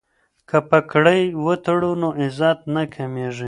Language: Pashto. که پګړۍ وتړو نو عزت نه کمیږي.